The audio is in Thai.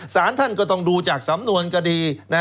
สารท่านก็ต้องดูจากสำนวนคดี